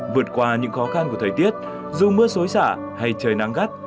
vượt qua những khó khăn của thời tiết dù mưa xối xả hay trời nắng gắt